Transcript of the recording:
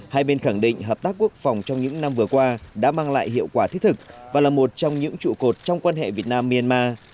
hai bên khẳng định hợp tác quốc phòng trong những năm vừa qua đã mang lại hiệu quả thiết thực và là một trong những trụ cột trong quan hệ việt nam myanmar